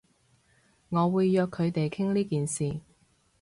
我會約佢哋傾呢件事